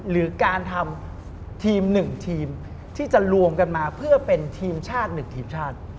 หรือการทำทีม๑ทีมที่จะรวมกันมาเพื่อเป็นทีมชาติ๑ทีมชาติ